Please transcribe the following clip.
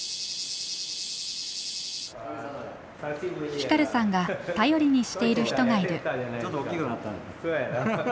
フィカルさんが頼りにしている人がいる。